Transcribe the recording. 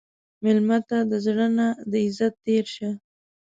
مېلمه ته د زړه نه د عزت تېر شه.